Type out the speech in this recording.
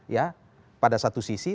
ya pada satu sisi